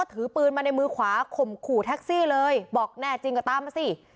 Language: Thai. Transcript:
ถือปืนมาในมือขวาข่มขู่แท็กซี่เลยบอกแน่จริงก็ตามมาสิ